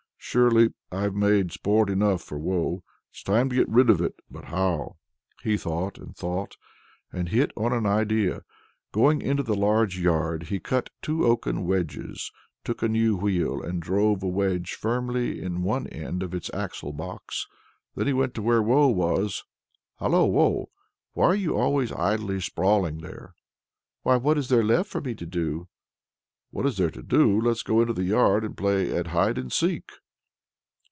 "Surely I've made sport enough for Woe! It's time to get rid of it but how?" He thought and thought, and hit on an idea. Going into the large yard, he cut two oaken wedges, took a new wheel, and drove a wedge firmly into one end of its axle box. Then he went to where Woe was: "Hallo, Woe! why are you always idly sprawling there?" "Why, what is there left for me to do?" "What is there to do! let's go into the yard and play at hide and seek."